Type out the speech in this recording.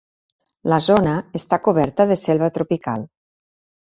La zona està coberta de selva tropical.